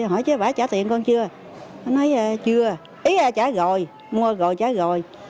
hỏi chứ bà trả tiền con chưa nói chưa ý là trả rồi mua rồi trả rồi